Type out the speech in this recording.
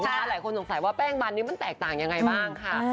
หลายคนสงสัยว่าแป้งมันนี้มันแตกต่างยังไงบ้างค่ะ